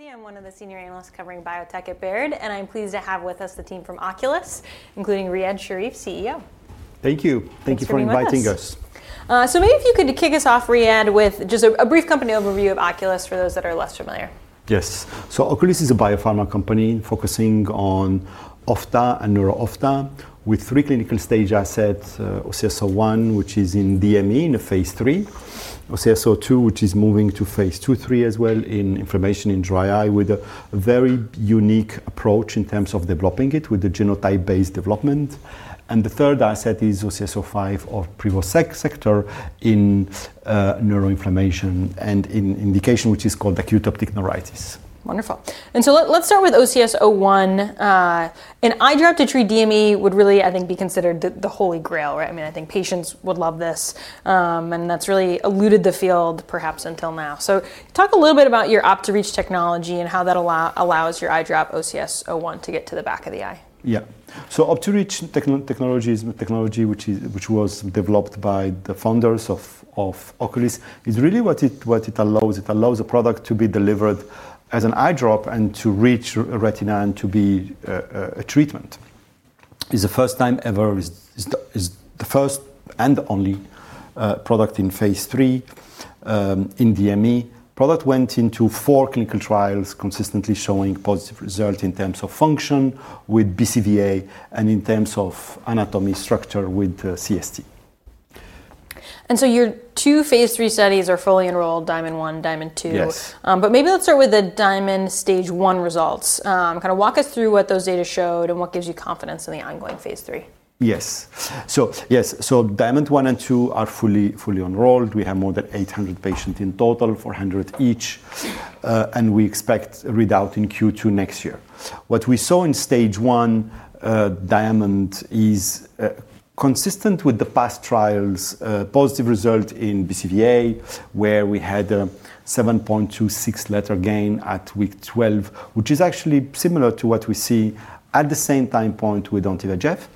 I'm one of the senior analysts covering biotech at Baird, and I'm pleased to have with us the team from Oculis, including Dr. Riad Sherif, CEO. Thank you. Thank you for inviting us. Maybe if you could kick us off, Riad, with just a brief company overview of Oculis for those that are less familiar. Yes. Oculis is a biopharma company focusing on ophthalmology and neuro-ophthalmology with three clinical-stage assets: OCS-01, which is in DME in a phase three; Licaminlimab (OCS-02), which is moving to phase two, three as well in inflammation in dry eye with a very unique approach in terms of developing it with the genotype-based development; and the third asset is OCS-05, Privosegtor, in neuroinflammation and in an indication which is called acute optic neuritis. Wonderful. Let's start with OCS-01. An eye drop to treat DME would really, I think, be considered the holy grail, right? I mean, I think patients would love this, and that's really eluded the field perhaps until now. Talk a little bit about your Optireach technology and how that allows your eye drop, OCS-01, to get to the back of the eye. Yeah. Optireach technology is a technology which was developed by the founders of Oculis. It's really what it allows. It allows a product to be delivered as an eye drop and to reach retina and to be a treatment. It's the first time ever, is the first and only product in phase three in DME. The product went into four clinical trials consistently showing positive results in terms of function with BCVA and in terms of anatomy structure with CST. Your two Phase 3 studies are fully enrolled, Diamond 1, Diamond 2. Let's start with the Diamond stage one results. Kind of walk us through what those data showed and what gives you confidence in the ongoing phase three. Yes. Diamond 1 and 2 are fully enrolled. We have more than 800 patients in total, 400 each, and we expect readout in Q2 next year. What we saw in stage one Diamond is consistent with the past trials, positive result in BCVA where we had a 7.26 letter gain at week 12, which is actually similar to what we see at the same time point with anti-VEGF.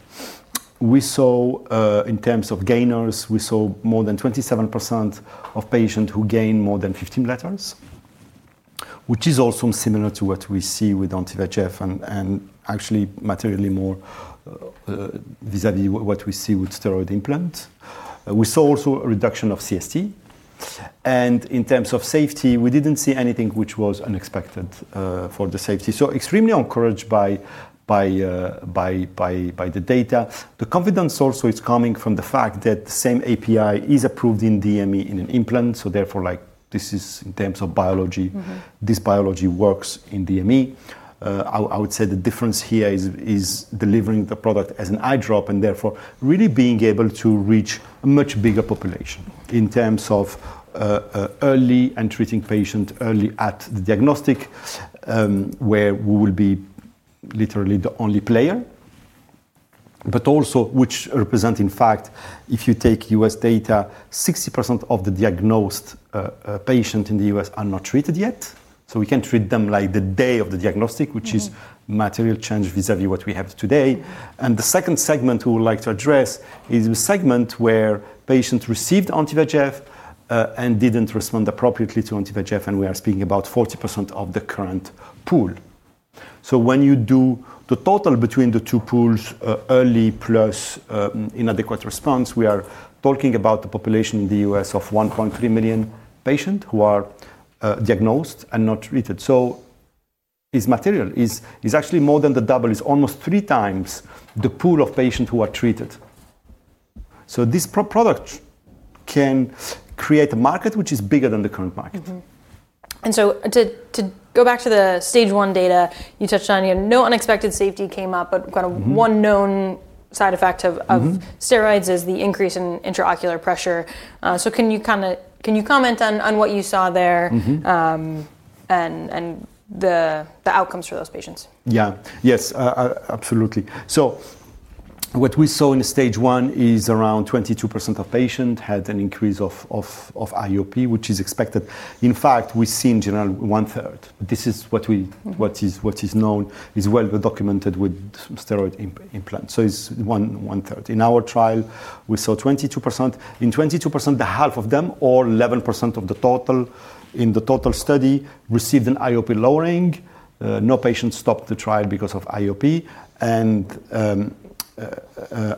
We saw in terms of gainers, more than 27% of patients who gained more than 15 letters, which is also similar to what we see with anti-VEGF and actually materially more vis-à-vis what we see with steroid implant. We saw also a reduction of CST. In terms of safety, we didn't see anything which was unexpected for the safety. Extremely encouraged by the data. The confidence also is coming from the fact that the same API is approved in DME in an implant. Therefore, this is in terms of biology, this biology works in DME. I would say the difference here is delivering the product as an eye drop and therefore really being able to reach a much bigger population in terms of early and treating patients early at the diagnostic where we will be literally the only player. Which represents, in fact, if you take U.S. data, 60% of the diagnosed patients in the U.S. are not treated yet. We can treat them like the day of the diagnostic, which is a material change vis-à-vis what we have today. The second segment we would like to address is the segment where patients received anti-VEGF and didn't respond appropriately to anti-VEGF, and we are speaking about 40% of the current pool. When you do the total between the two pools, early plus inadequate response, we are talking about the population in the U.S. of 1.3 million patients who are diagnosed and not treated. It's material. It's actually more than the double. It's almost three times the pool of patients who are treated. This product can create a market which is bigger than the current market. To go back to the stage one data, you touched on, you know, no unexpected safety came up, but kind of one known side effect of steroids is the increase in intraocular pressure. Can you comment on what you saw there and the outcomes for those patients? Yes, absolutely. What we saw in stage one is around 22% of patients had an increase of IOP, which is expected. In fact, we've seen in general one-third. This is what is known, is well documented with steroid implant. It's one-third. In our trial, we saw 22%. In 22%, half of them, or 11% of the total in the total study, received an IOP lowering. No patients stopped the trial because of IOP.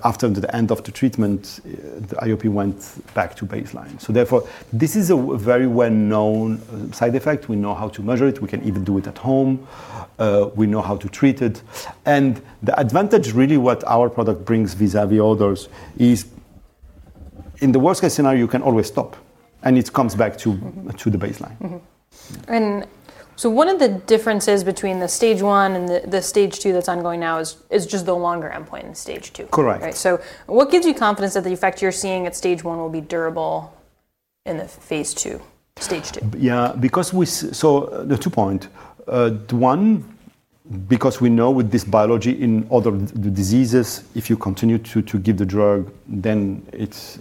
After the end of the treatment, the IOP went back to baseline. This is a very well-known side effect. We know how to measure it. We can even do it at home. We know how to treat it. The advantage, really, what our product brings vis-à-vis others is in the worst-case scenario, you can always stop, and it comes back to the baseline. One of the differences between the stage one and the stage two that's ongoing now is just the longer endpoint in stage two. Correct. What gives you confidence that the effect you're seeing at stage one will be durable in the phase two, stage two? Yeah, because we saw the two points. One, because we know with this biology in other diseases, if you continue to give the drug, then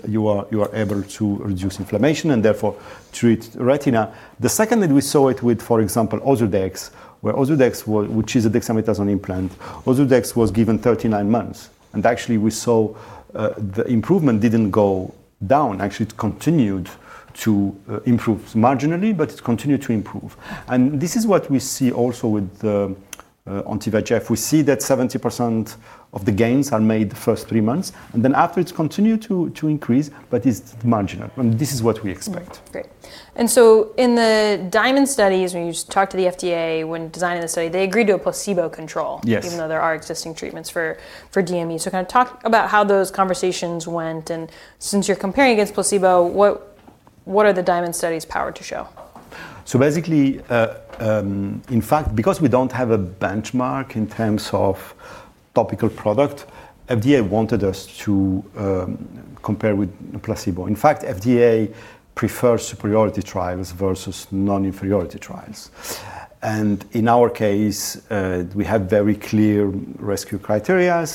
you are able to reduce inflammation and therefore treat retina. The second that we saw it with, for example, Ozurdex, which is a dexamethasone implant. Ozurdex was given 39 months, and actually, we saw the improvement didn't go down. Actually, it continued to improve marginally, but it continued to improve. This is what we see also with Ontivygef. We see that 70% of the gains are made the first three months. After it continued to increase, but it's marginal. This is what we expect. Great. In the Diamond studies, when you talked to the FDA when designing the study, they agreed to a placebo control. Yes. Even though there are existing treatments for DME, can you talk about how those conversations went? Since you're comparing against placebo, what are the Diamond studies powered to show? Basically, in fact, because we don't have a benchmark in terms of topical product, FDA wanted us to compare with placebo. In fact, FDA prefers superiority trials versus non-inferiority trials. In our case, we have very clear rescue criteria.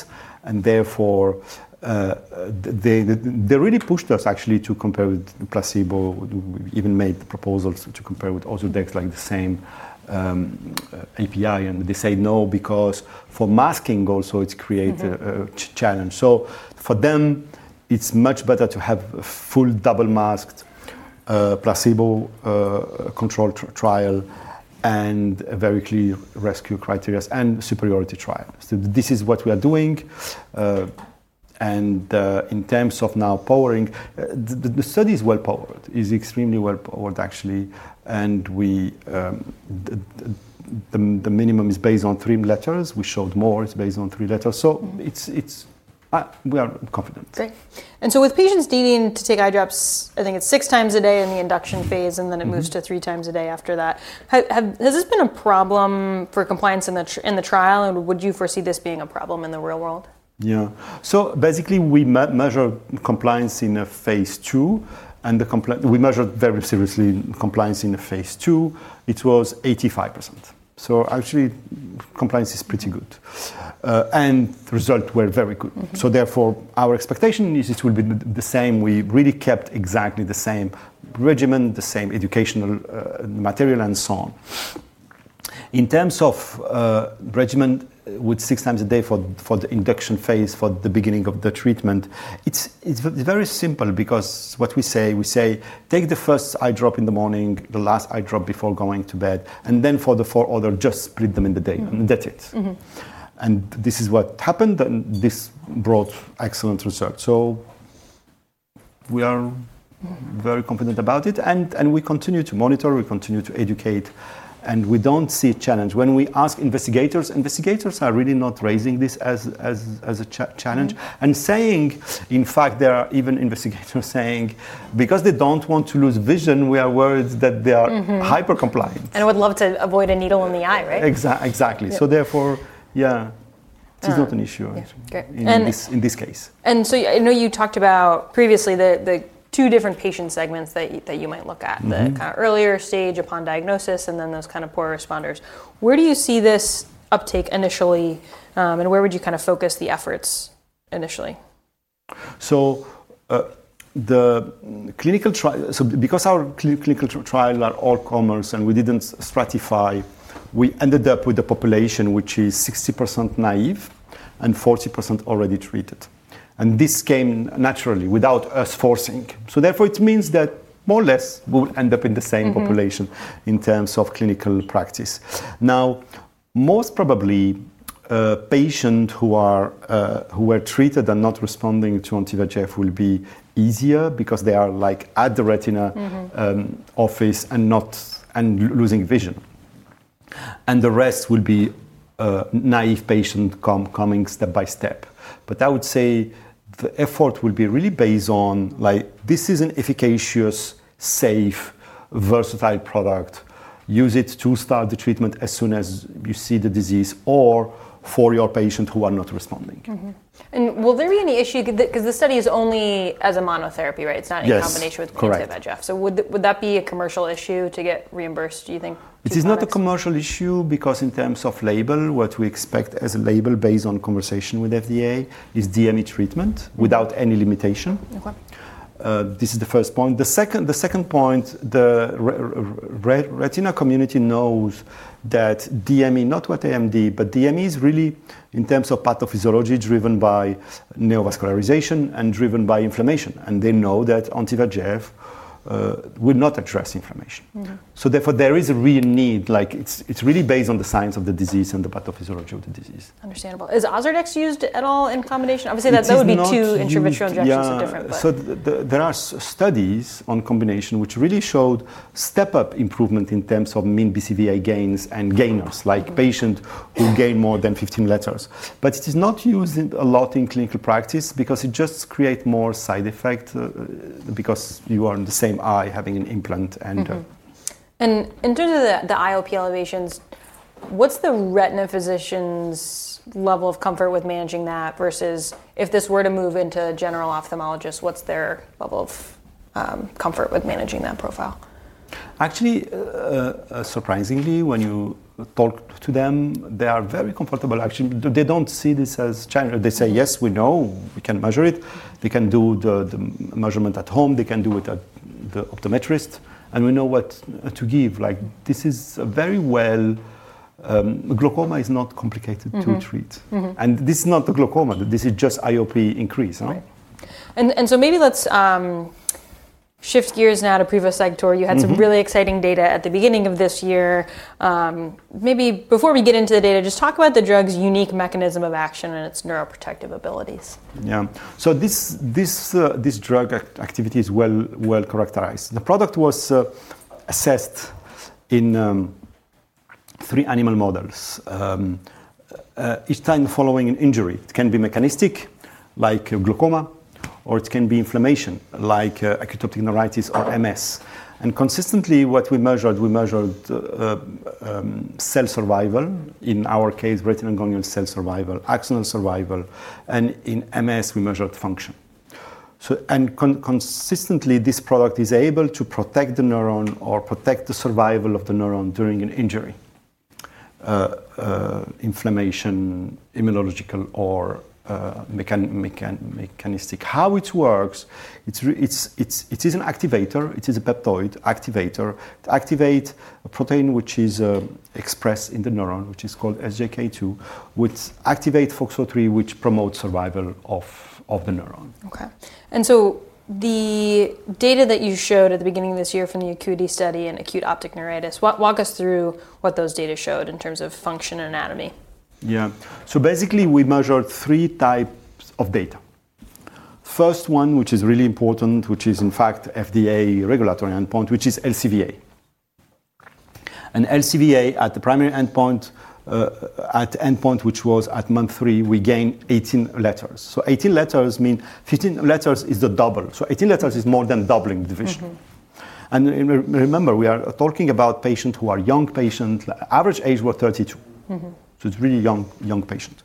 Therefore, they really pushed us actually to compare with placebo. We even made the proposals to compare with Ozurdex like the same API, and they say no, because for masking also, it creates a challenge. For them, it's much better to have a full double-masked placebo-controlled trial and very clear rescue criteria and superiority trial. This is what we are doing. In terms of now powering, the study is well-powered. It's extremely well-powered, actually. The minimum is based on three letters. We showed more is based on three letters. We are confident. Great. With patients needing to take eye drops, I think it's six times a day in the induction phase, and then it moves to three times a day after that. Has this been a problem for compliance in the trial? Would you foresee this being a problem in the real world? Yeah. Basically, we measure compliance in a phase two, and we measure very seriously compliance in a phase two. It was 85%. Actually, compliance is pretty good, and the results were very good. Therefore, our expectation is this will be the same. We really kept exactly the same regimen, the same educational material, and so on. In terms of regimen, with six times a day for the induction phase for the beginning of the treatment, it's very simple because what we say, we say take the first eye drop in the morning, the last eye drop before going to bed, and then for the four others, just split them in the day. That's it. This is what happened, and this brought excellent results. We are very confident about it, and we continue to monitor. We continue to educate, and we don't see a challenge. When we ask investigators, investigators are really not raising this as a challenge and saying, in fact, there are even investigators saying because they don't want to lose vision, we are worried that they are hyper-compliant. You would love to avoid a needle in the eye, right? Exactly. Therefore, yeah, it's not an issue in this case. I know you talked about previously the two different patient segments that you might look at, the kind of earlier stage upon diagnosis and then those kind of poor responders. Where do you see this uptake initially, and where would you kind of focus the efforts initially? Because our clinical trials are all commerce and we didn't stratify, we ended up with a population which is 60% naive and 40% already treated. This came naturally without us forcing. Therefore, it means that more or less we will end up in the same population in terms of clinical practice. Most probably, patients who were treated and not responding to anti-VEGF will be easier because they are at the retina office and losing vision. The rest will be naive patients coming step by step. I would say the effort will be really based on this is an efficacious, safe, versatile product. Use it to start the treatment as soon as you see the disease or for your patients who are not responding. Will there be any issue? The study is only as a monotherapy, right? It's not in combination with anti-VEGF. Would that be a commercial issue to get reimbursed, do you think? It is not a commercial issue because in terms of label, what we expect as a label based on conversation with the FDA is DME treatment without any limitation. This is the first point. The second point, the retina community knows that DME, not AMD, but DME is really in terms of pathophysiology driven by neovascularization and driven by inflammation. They know that anti-VEGF will not address inflammation. Therefore, there is a real need. It's really based on the science of the disease and the pathophysiology of the disease. Understandable. Is Ozurdex used at all in combination? Obviously, that would be two intravitreal injections of different. There are studies on combination which really showed step-up improvement in terms of mean BCVA gains and gainers, like patients who gain more than 15 letters. It is not used a lot in clinical practice because it just creates more side effects because you are in the same eye having an implant. In terms of the IOP elevations, what's the retina physician's level of comfort with managing that versus if this were to move into a general ophthalmologist, what's their level of comfort with managing that profile? Actually, surprisingly, when you talk to them, they are very comfortable. They don't see this as a challenge. They say, yes, we know. We can measure it. They can do the measurement at home. They can do it at the optometrist. We know what to give. Like this is very well. Glaucoma is not complicated to treat. This is not the glaucoma. This is just IOP increase. Maybe let's shift gears now to Privosegtor. You had some really exciting data at the beginning of this year. Maybe before we get into the data, just talk about the drug's unique mechanism of action and its neuroprotective abilities. Yeah. This drug activity is well characterized. The product was assessed in three animal models. Each time following an injury, it can be mechanistic like glaucoma, or it can be inflammation like acute optic neuritis or MS. Consistently, what we measured, we measured cell survival. In our case, retinal ganglion cell survival, axonal survival. In MS, we measured function. Consistently, this product is able to protect the neuron or protect the survival of the neuron during an injury, inflammation, immunological, or mechanistic. How it works, it is an activator. It is a peptoid activator. It activates a protein which is expressed in the neuron, which is called SGK2, which activates FOXO3, which promotes survival of the neuron. OK. The data that you showed at the beginning of this year from the Acuity Study in acute optic neuritis, walk us through what those data showed in terms of function and anatomy. Yeah. So basically, we measured three types of data. First one, which is really important, which is, in fact, FDA regulatory endpoint, which is LCVA. LCVA at the primary endpoint, at the endpoint which was at month three, we gained 18 letters. 18 letters means 15 letters is the double. 18 letters is more than doubling the vision. Remember, we are talking about patients who are young patients. Average age was 32. It's really young patients.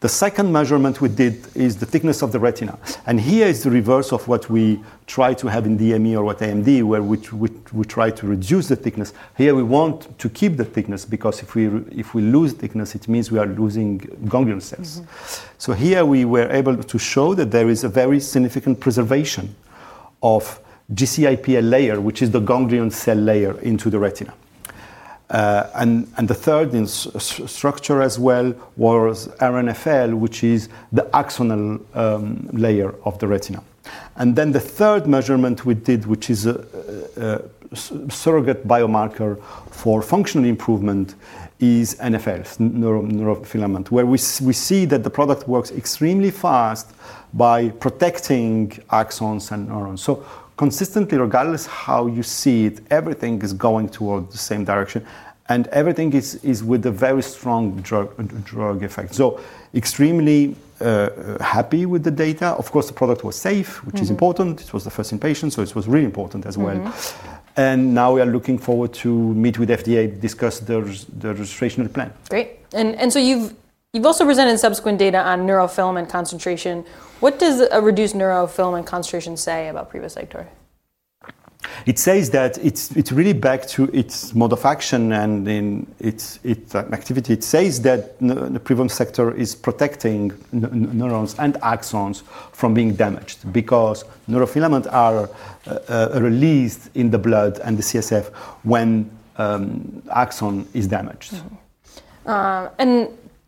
The second measurement we did is the thickness of the retina. Here is the reverse of what we try to have in DME or what AMD, where we try to reduce the thickness. Here, we want to keep the thickness because if we lose thickness, it means we are losing ganglion cells. Here, we were able to show that there is a very significant preservation of GCIPL layer, which is the ganglion cell layer into the retina. The third in structure as well was RNFL, which is the axonal layer of the retina. The third measurement we did, which is a surrogate biomarker for functional improvement, is NFL, neurofilament, where we see that the product works extremely fast by protecting axons and neurons. Consistently, regardless of how you see it, everything is going toward the same direction. Everything is with a very strong drug effect. Extremely happy with the data. Of course, the product was safe, which is important. It was the first in patients, so it was really important as well. Now we are looking forward to meet with FDA, discuss their registration plan. Great. You've also presented subsequent data on neurofilament concentration. What does a reduced neurofilament concentration say about Privosegtor? It says that it's really back to its mode of action and its activity. It says that the Privosegtor is protecting neurons and axons from being damaged because neurofilaments are released in the blood and the CSF when axon is damaged.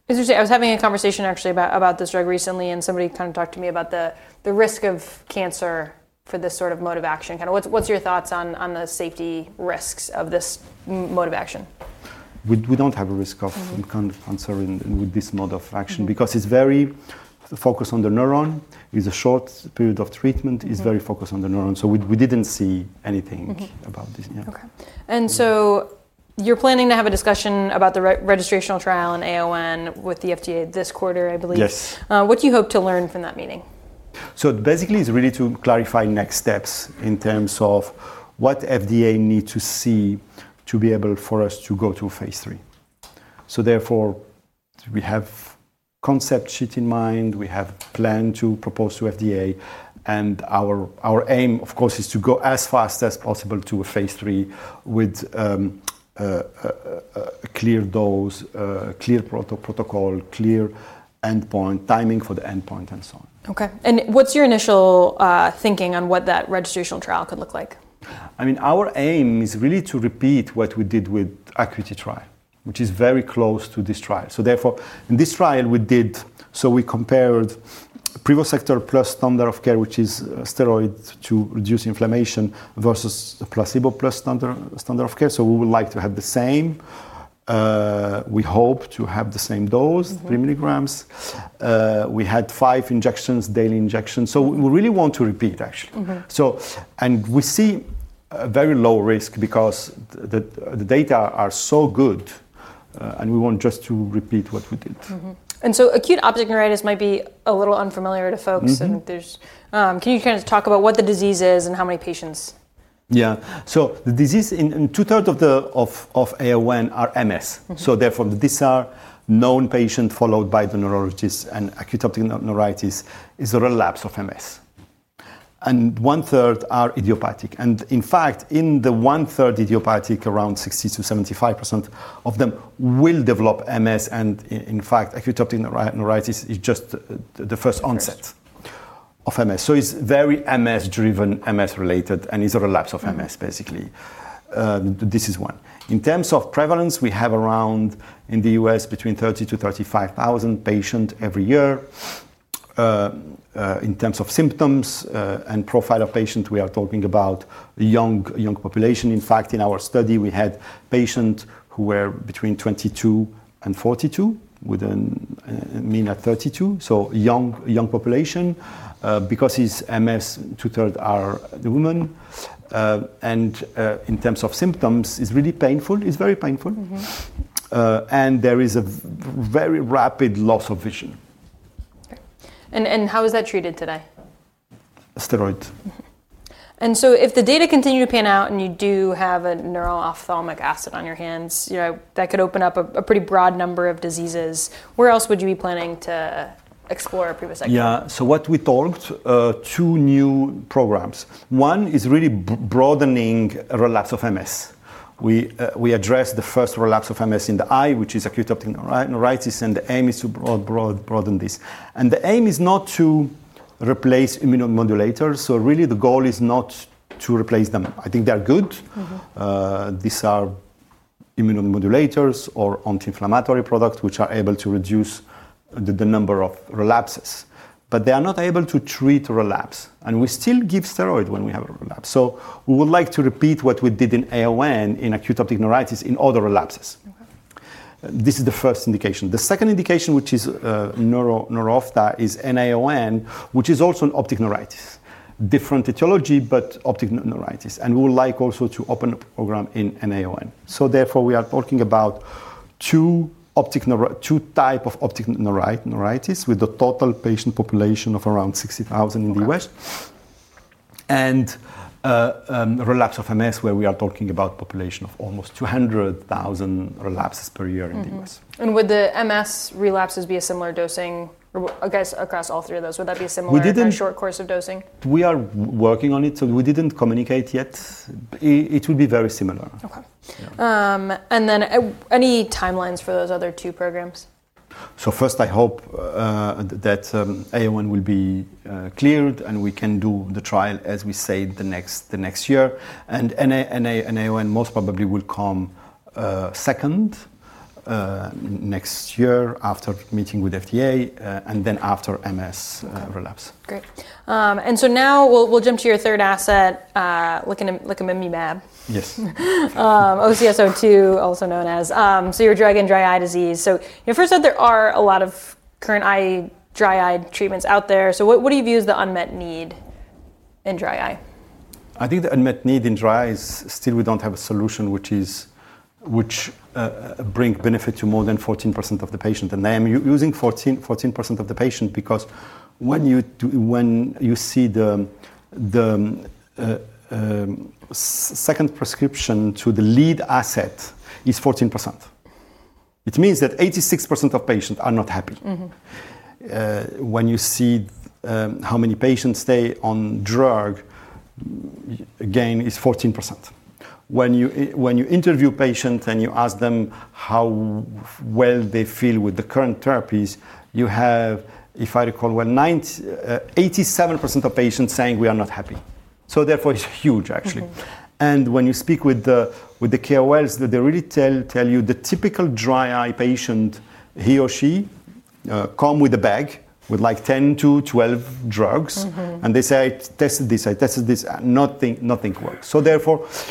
I was having a conversation actually about this drug recently, and somebody kind of talked to me about the risk of cancer for this sort of mode of action. What's your thoughts on the safety risks of this mode of action? We don't have a risk of cancer with this mode of action because it's very focused on the neuron. It's a short period of treatment. It's very focused on the neuron. We didn't see anything about this. Yeah. OK. You're planning to have a discussion about the registrational trial and AON with the FDA this quarter, I believe. Yes. What do you hope to learn from that meeting? It is really to clarify next steps in terms of what the FDA needs to see to be able for us to go to phase three. Therefore, we have a concept sheet in mind. We have a plan to propose to the FDA, and our aim, of course, is to go as fast as possible to a phase three with a clear dose, clear protocol, clear endpoint, timing for the endpoint, and so on. OK. What’s your initial thinking on what that registrational trial could look like? I mean, our aim is really to repeat what we did with the Acuity Trial, which is very close to this trial. Therefore, in this trial, we compared Privosegtor plus standard of care, which is steroids to reduce inflammation, versus placebo plus standard of care. We would like to have the same. We hope to have the same dose, 3 milligrams. We had five injections, daily injections. We really want to repeat, actually. We see a very low risk because the data are so good, and we want just to repeat what we did. Acute optic neuritis might be a little unfamiliar to folks. Can you kind of talk about what the disease is and how many patients? Yeah. The disease in 2/3 of acute optic neuritis are multiple sclerosis. Therefore, these are known patients followed by the neurologists. Acute optic neuritis is a relapse of multiple sclerosis. 1/3 are idiopathic. In fact, in the 1/3 idiopathic, around 60% to 75% of them will develop multiple sclerosis. Acute optic neuritis is just the first onset of multiple sclerosis. It is very multiple sclerosis-driven, multiple sclerosis-related. It is a relapse of multiple sclerosis, basically. This is one. In terms of prevalence, we have around in the U.S. between 30,000 to 35,000 patients every year. In terms of symptoms and profile of patients, we are talking about a young population. In fact, in our study, we had patients who were between 22 and 42 with a mean at 32. Young population because it's multiple sclerosis, 2/3 are women. In terms of symptoms, it's really painful. It's very painful, and there is a very rapid loss of vision. How is that treated today? Steroids. If the data continue to pan out and you do have a neuro-ophthalmic asset on your hands, that could open up a pretty broad number of diseases. Where else would you be planning to explore Privosegtor? Yeah. What we talked, two new programs. One is really broadening a relapse of MS. We addressed the first relapse of MS in the eye, which is acute optic neuritis. The aim is to broaden this. The aim is not to replace immunomodulators. Really, the goal is not to replace them. I think they are good. These are immunomodulators or anti-inflammatory products which are able to reduce the number of relapses. They are not able to treat a relapse. We still give steroids when we have a relapse. We would like to repeat what we did in AON, in acute optic neuritis, in other relapses. This is the first indication. The second indication, which is neuro-ophthalmic, is NAON, which is also an optic neuritis. Different etiology, but optic neuritis. We would like also to open a program in NAON. Therefore, we are talking about two types of optic neuritis with the total patient population of around 60,000 in the U.S. and a relapse of MS where we are talking about a population of almost 200,000 relapses per year in the U.S. Would the multiple sclerosis relapses be a similar dosing? I guess across all three of those, would that be a similar short course of dosing? We are working on it. We didn't communicate yet. It will be very similar. OK. Are there any timelines for those other two programs? I hope that AON will be cleared and we can do the trial, as we say, next year. NAON most probably will come second next year after meeting with the FDA and then after multiple sclerosis relapse. Great. Now we'll jump to your third asset, Licaminlimab. Yes. Licaminlimab, also known as OCS-02, your drug in dry eye disease. You first said there are a lot of current dry eye treatments out there. What do you view as the unmet need in dry eye? I think the unmet need in dry eye is still we don't have a solution which brings benefit to more than 14% of the patients. I'm using 14% of the patients because when you see the second prescription to the lead asset, it's 14%. It means that 86% of patients are not happy. When you see how many patients stay on drug, again, it's 14%. When you interview patients and you ask them how well they feel with the current therapies, you have, if I recall well, 87% of patients saying we are not happy. Therefore, it's huge, actually. When you speak with the KOLs, they really tell you the typical dry eye patient, he or she, comes with a bag with like 10 to 12 drugs. They say, I tested this. I tested this. Nothing works.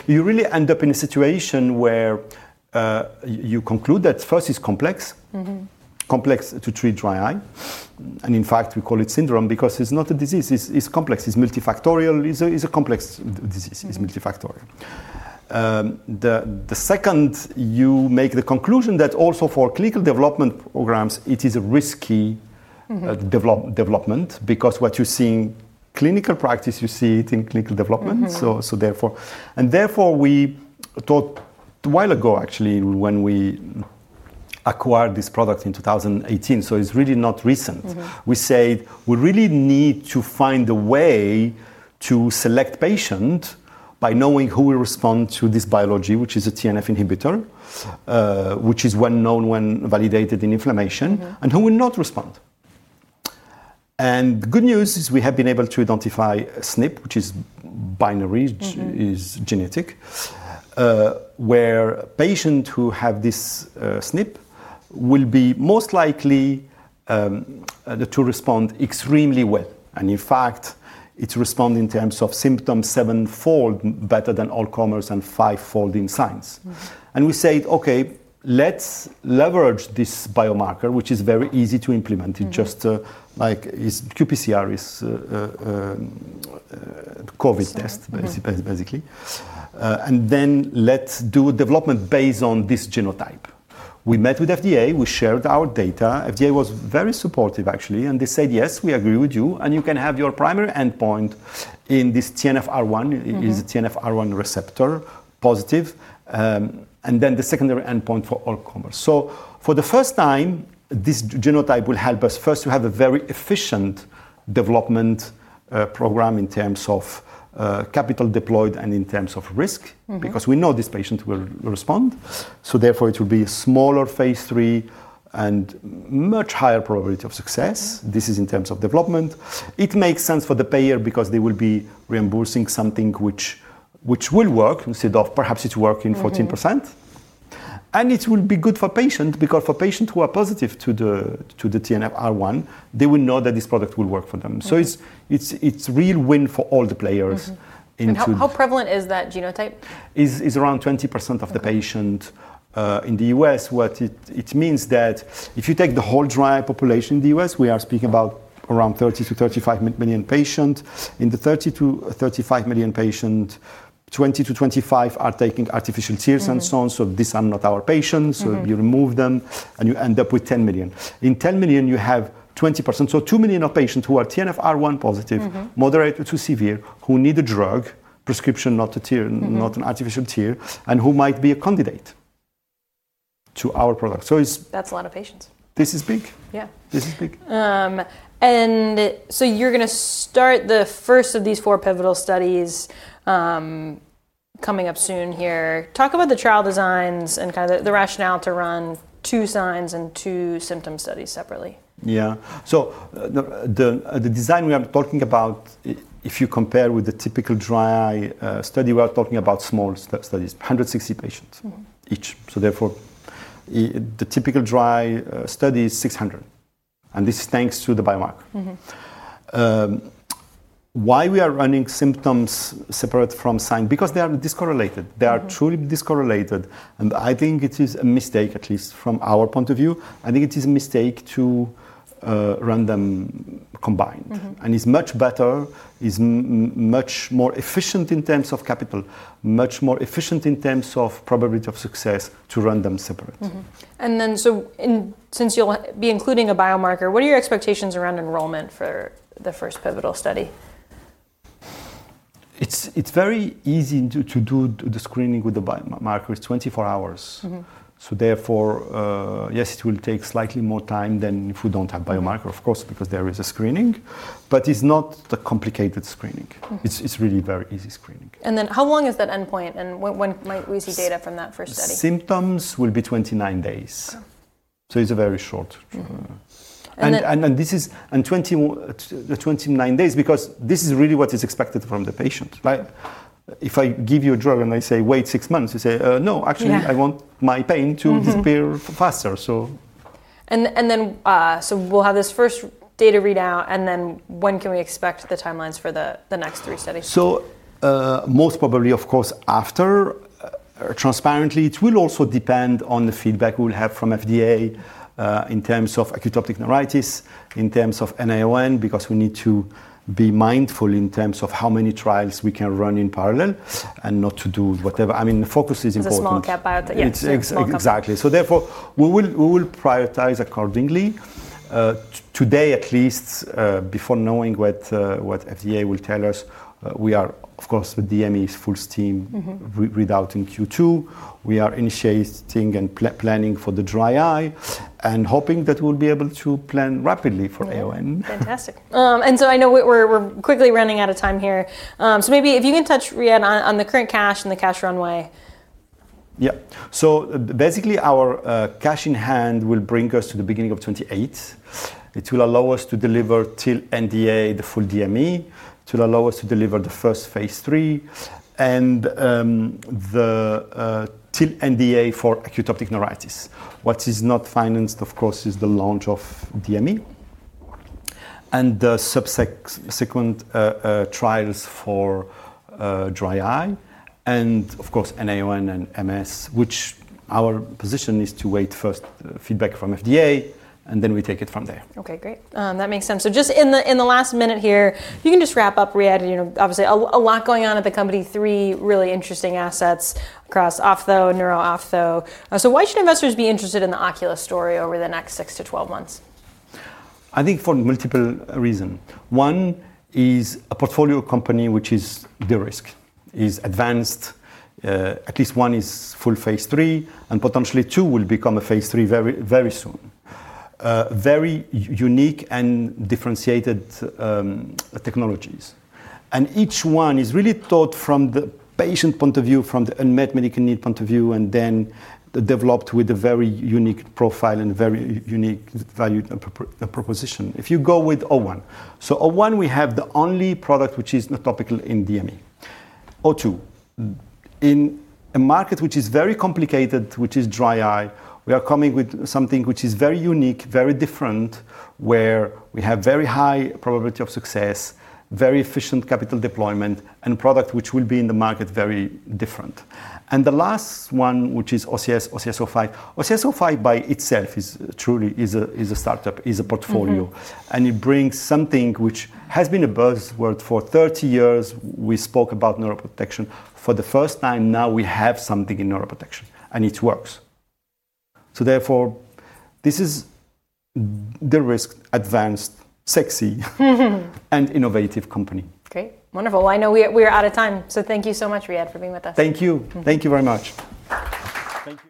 You really end up in a situation where you conclude that first, it's complex, complex to treat dry eye. In fact, we call it syndrome because it's not a disease. It's complex. It's multifactorial. It's a complex disease. It's multifactorial. The second, you make the conclusion that also for clinical development programs, it is a risky development because what you see in clinical practice, you see it in clinical development. Therefore, we thought a while ago, actually, when we acquired this product in 2018, so it's really not recent, we said we really need to find a way to select patients by knowing who will respond to this biology, which is a TNF inhibitor, which is well known, well validated in inflammation, and who will not respond. Good news is we have been able to identify a SNP, which is binary, is genetic, where patients who have this SNP will be most likely to respond extremely well. In fact, it responds in terms of symptoms sevenfold better than all comers and fivefold in science. We said, OK, let's leverage this biomarker, which is very easy to implement. It's just like QPCR, it's COVID test, basically. Then let's do a development based on this genotype. We met with FDA. We shared our data. FDA was very supportive, actually. They said, yes, we agree with you. You can have your primary endpoint in this TNFR1, is the TNFR1 receptor positive, and then the secondary endpoint for all comers. For the first time, this genotype will help us first to have a very efficient development program in terms of capital deployed and in terms of risk because we know these patients will respond. Therefore, it will be a smaller phase three and a much higher probability of success. This is in terms of development. It makes sense for the payer because they will be reimbursing something which will work instead of perhaps it's working 14%. It will be good for patients because for patients who are positive to the TNFR1, they will know that this product will work for them. It's a real win for all the players. How prevalent is that genotype? It's around 20% of the patients in the U.S. What it means is that if you take the whole dry eye population in the U.S., we are speaking about around 30 to 35 million patients. In the 30 to 35 million patients, 20 to 25 million are taking artificial tears and so on. These are not our patients. You remove them, and you end up with 10 million. In 10 million, you have 20%. So 2 million patients who are TNFR1 positive, moderate to severe, who need a drug prescription, not an artificial tear, and who might be a candidate to our product. That's a lot of patients. This is big. Yeah. This is big. You're going to start the first of these four pivotal studies coming up soon here. Talk about the trial designs and the rationale to run two signs and two symptom studies separately. Yeah. The design we are talking about, if you compare with the typical dry eye study, we are talking about small studies, 160 patients each. The typical dry eye study is 600. This is thanks to the biomarker. Why are we running symptoms separate from signs? Because they are discorrelated. They are truly discorrelated. I think it is a mistake, at least from our point of view. I think it is a mistake to run them combined. It's much better, it's much more efficient in terms of capital, much more efficient in terms of probability of success to run them separately. Since you'll be including a biomarker, what are your expectations around enrollment for the first pivotal study? It's very easy to do the screening with the biomarker. It's 24 hours. Therefore, yes, it will take slightly more time than if we don't have a biomarker, of course, because there is a screening. It's not a complicated screening. It's really very easy screening. How long is that endpoint, and when might we see data from that first study? Symptoms will be 29 days. It is very short, and 29 days because this is really what is expected from the patient. If I give you a drug and I say, wait six months, you say, no, actually, I want my pain to disappear faster. We will have this first data readout. When can we expect the timelines for the next three studies? Most probably, of course, after transparently. It will also depend on the feedback we will have from the FDA in terms of acute optic neuritis, in terms of NAON, because we need to be mindful in terms of how many trials we can run in parallel and not to do whatever. I mean, the focus is important. Too small cap out. Exactly. Therefore, we will prioritize accordingly. Today, at least, before knowing what the FDA will tell us, we are, of course, DME is full steam readout in Q2. We are initiating and planning for the dry eye and hoping that we'll be able to plan rapidly for AON. Fantastic. I know we're quickly running out of time here. Maybe if you can touch, Riad, on the current cash and the cash runway. Yeah. Basically, our cash in hand will bring us to the beginning of 2028. It will allow us to deliver till NDA the full DME. It will allow us to deliver the first phase three and the till NDA for acute optic neuritis. What is not financed, of course, is the launch of DME and the subsequent trials for dry eye and, of course, NAON and MS, which our position is to wait first feedback from FDA, and then we take it from there. OK, great. That makes sense. Just in the last minute here, if you can just wrap up, Riad, obviously a lot going on at the company, three really interesting assets across ophtho and neuro-ophtho. Why should investors be interested in the Oculis story over the next 6 to 12 months? I think for multiple reasons. One is a portfolio company which is de-risked, is advanced. At least one is full phase three, and potentially two will become a phase three very soon. Very unique and differentiated technologies, and each one is really thought from the patient point of view, from the unmet medical need point of view, and then developed with a very unique profile and very unique value proposition. If you go with OCS-01, we have the only product which is not topical in DME. Licaminlimab (OCS-02), in a market which is very complicated, which is dry eye, we are coming with something which is very unique, very different, where we have very high probability of success, very efficient capital deployment, and a product which will be in the market very different. The last one, which is OCS-05. OCS-05 by itself is truly a startup, is a portfolio, and it brings something which has been a buzzword for 30 years. We spoke about neuroprotection. For the first time now, we have something in neuroprotection, and it works. Therefore, this is de-risked, advanced, sexy, and innovative company. Great. Wonderful. I know we are out of time. Thank you so much, Riad, for being with us. Thank you. Thank you very much. Thank you.